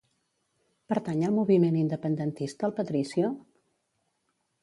Pertany al moviment independentista el Patricio?